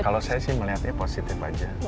kalau saya sih melihatnya positif aja